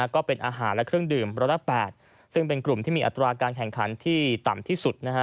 ก็เป็นอาหารและเครื่องดื่มร้อยละ๘ซึ่งเป็นกลุ่มที่มีอัตราการแข่งขันที่ต่ำที่สุดนะฮะ